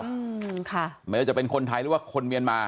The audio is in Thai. อืมค่ะไม่ว่าจะเป็นคนไทยหรือว่าคนเมียนมา